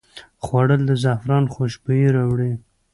خوړل د زعفران خوشبويي راوړي